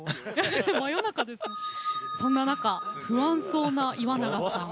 そんな中、不安そうな岩永さん。